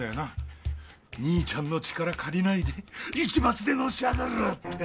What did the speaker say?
兄ちゃんの力借りないで市松でのし上がる！ってな。